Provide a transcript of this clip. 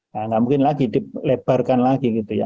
nah nggak mungkin lagi dilebarkan lagi gitu ya